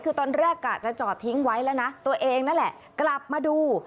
คือตอนแรกกะจะจอดทิ้งไว้แล้วนะตัวเองนั่นแหละกลับมาดู